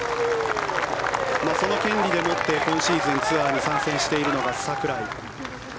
その権利でもって今シーズンツアーに参戦しているのが櫻井。